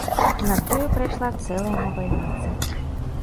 Над ёю прайшла цэлая навальніца.